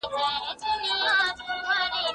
هېټلر په ټوله نړۍ کې د ډیموکراسۍ د پلي کولو هڅه وکړه.